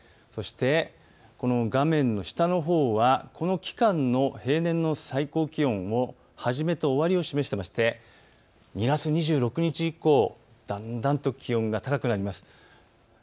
そして画面の下のほうはこの期間の平年の最高気温の始めと終わりを示したもので２月２６日以降、だんだん気温が高くなります。